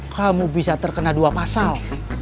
kamu bisa terkena dua pasal